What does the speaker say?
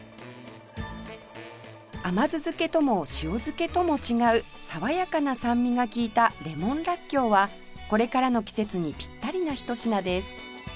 甘酢漬けとも塩漬けとも違う爽やかな酸味が利いた「レモンらっきょう」はこれからの季節にピッタリなひと品です